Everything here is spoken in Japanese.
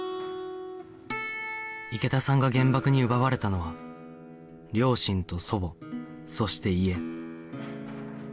池田さんが原爆に奪われたのは両親と祖母そして家